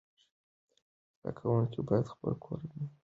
زده کوونکي باید خپل کورنی کار وکړي.